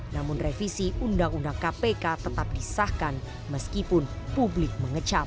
namun revisi undang undang kpk tetap disahkan meskipun publik mengecam